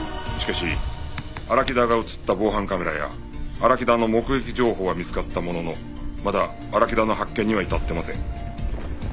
しかし荒木田が映った防犯カメラや荒木田の目撃情報は見つかったもののまだ荒木田の発見には至ってません。